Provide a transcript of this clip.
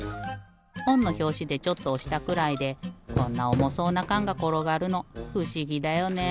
ほんのひょうしでちょっとおしたくらいでこんなおもそうなかんがころがるのふしぎだよね？